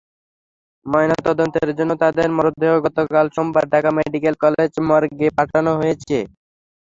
ময়নাতদন্তের জন্য তাঁদের মরদেহ গতকাল সোমবার ঢাকা মেডিকেল কলেজ মর্গে পাঠানো হয়েছে।